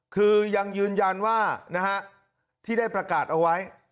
คือยังยืนยันว่าที่ได้ประกาศเอาไว้